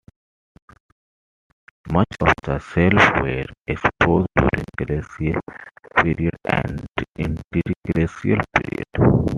Much of the shelves were exposed during glacial periods and interglacial periods.